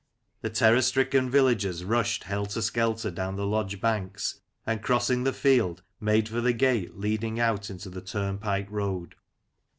The terror stricken villagers rushed helter skelter down the lodge banks, and, crossing the field, made for the gate leading out into the turnpike road.